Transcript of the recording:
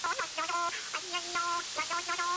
ლიტერატურაში მისი სამწერლო დებიუტი ამავე ხანებში შედგა.